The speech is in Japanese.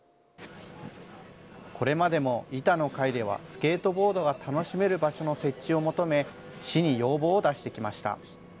これまでも板の会では、スケートボードが楽しめる場所の設置を求め、市に要望を出してきました。